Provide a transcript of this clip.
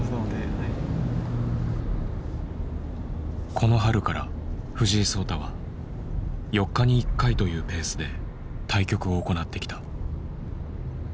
この春から藤井聡太は４日に１回というペースで対局を行ってきた。